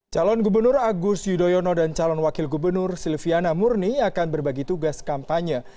calon gubernur agus yudhoyono dan calon wakil gubernur silviana murni akan berbagi tugas kampanye